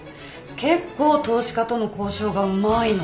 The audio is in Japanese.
結構投資家との交渉がうまいの。